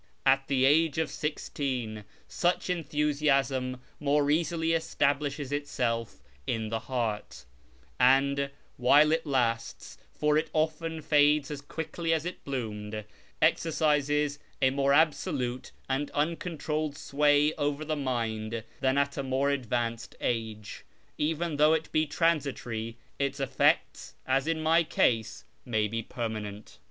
At the age of sixteen such enthusiasm more easily estal dishes itself in the heart, and, while it lasts (for it often fades as quickly as it bloomed), exercises a more absolute and un controlled sway over the mind than at a more advanced age. Even though it be transitory, its effects (as in my case) may be permanent.